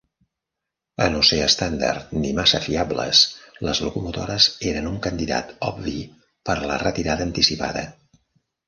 A no ser estàndard ni massa fiables, les locomotores eren un candidat obvi per a la retirada anticipada.